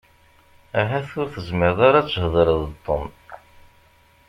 Ahat ur tezmireḍ ad thedreḍ d Tom.